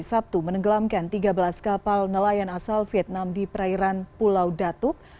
sabtu menenggelamkan tiga belas kapal nelayan asal vietnam di perairan pulau datuk